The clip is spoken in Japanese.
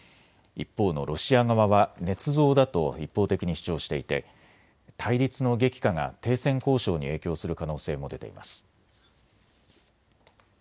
一方のロシア側はねつ造だと一方的に主張していて対立の激化が停戦交渉に影響する可能性も出ています。